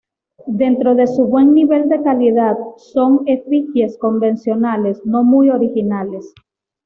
Dentro de su buen nivel de calidad, son efigies convencionales, no muy originales.